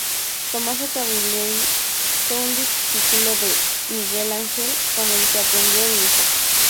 Tommaso Cavalieri fue un discípulo de Miguel Ángel, con el que aprendió dibujo.